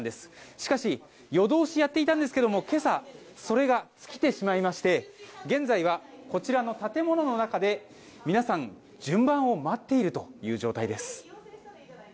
しかし夜通しやっていたんですけども今朝、それが尽きてしまいまして現在はこちらの建物の中で皆さん、順番を待っているという状態です。